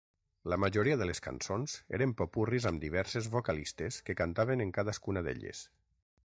La majoria de les cançons eren popurris amb diverses vocalistes que cantaven en cadascuna d"elles.